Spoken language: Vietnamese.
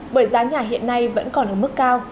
bởi giá nhà hiện nay vẫn còn ở mức cao